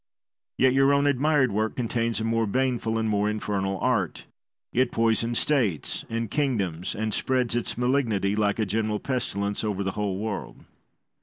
Yet your own admired work contains a more baneful and more infernal art. It poisons states and kingdoms, and spreads its malignity, like a general pestilence, over the whole world.